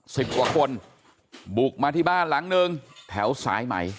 สิบกว่าคนบุกมาที่บ้านหลังหนึ่งแถวสายไหม